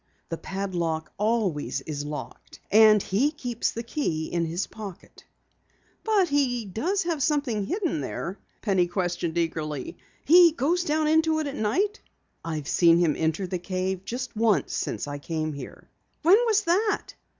The padlock always is locked, and he keeps the key in his pocket." "But he does have something hidden there?" Penny questioned eagerly. "He goes down into it at night?" "I've seen him enter the cave once since I came here." "When was that?"